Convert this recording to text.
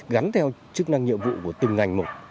gắn theo chức năng nhiệm vụ của từng ngành một